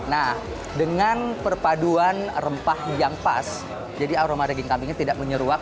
nah dengan perpaduan rempah yang pas jadi aroma daging kambingnya tidak menyeruak